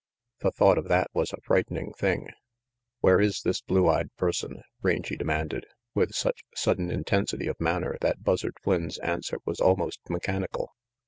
The thought of that was a frightening thing. "Where is this blue eyed person?" Rangy demanded, with such sudden intensity of manner that Buzzard Flynn's answer was almost mechan ical.